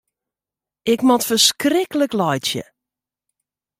Ik moat ferskriklik laitsje.